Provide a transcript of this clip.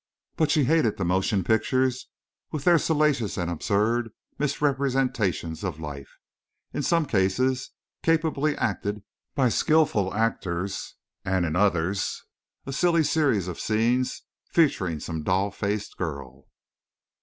But she hated the motion pictures with their salacious and absurd misrepresentations of life, in some cases capably acted by skillful actors, and in others a silly series of scenes featuring some doll faced girl.